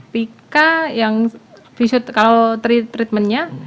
pika yang kalau treatment nya